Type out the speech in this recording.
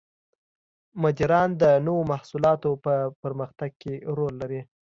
مدیران د نوو محصولاتو په پرمختګ کې رول لري.